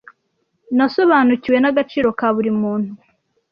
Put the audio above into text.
Nasobanukiwe n'agaciro ka buri muntu